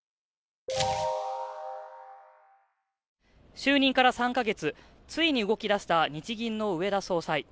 就任から３か月、ついに動きだした日銀の植田総裁。